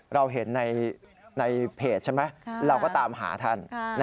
เราเห็นในเพจใช่ไหมเราก็ตามหาท่าน